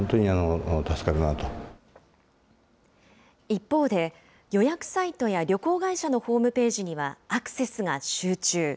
一方で、予約サイトや旅行会社のホームページには、アクセスが集中。